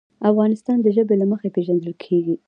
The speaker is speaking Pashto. افغانستان د ژبې له مخې پېژندل کېږي.